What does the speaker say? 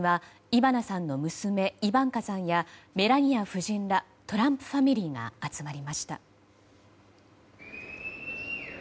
イバンカさんやメラニア夫人らトランプファミリーが集まりました。